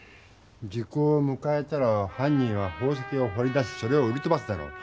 時効をむかえたらはん人は宝石をほり出しそれを売りとばすだろう。